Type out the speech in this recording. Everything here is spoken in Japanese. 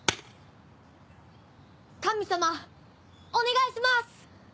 神様お願いします！